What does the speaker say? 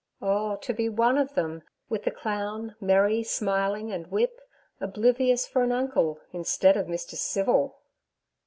Oh, to be one of them, with the clown, merry, smiling, and whip—oblivious, for an uncle, instead of Mr. Civil!